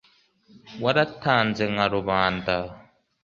waratanze nka rubanda